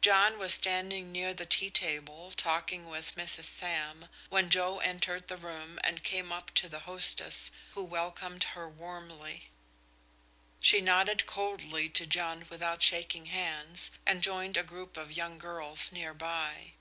John was standing near the tea table talking to Mrs. Sam, when Joe entered the room and came up to the hostess, who welcomed her warmly. She nodded coldly to John without shaking hands, and joined a group of young girls near by.